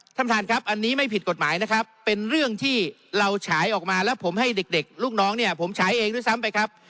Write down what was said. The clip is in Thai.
ท่านประธานครับอันนี้ไม่ผิดกฎหมายนะครับเป็นเรื่องที่เราฉายออกมาแล้วผมให้เด็กลูกน้องเนี่ยผมฉายเองด้วยซ้ำไปครับ